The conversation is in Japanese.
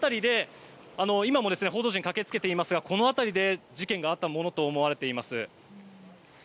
今も報道陣が駆けつけていますがこの辺りで事件があったと思われています。